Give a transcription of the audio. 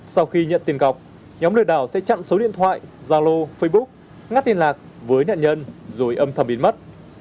sau khi nhận tiền cọc nhóm lừa đảo sẽ chặn số điện thoại zalo facebook ngắt liên lạc với nạn nhân rồi âm thầm biến mất